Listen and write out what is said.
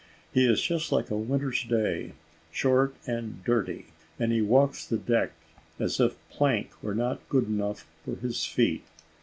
He is just like a winter's day, short and dirty; and he walks the decks as if plank were not good enough for his feet.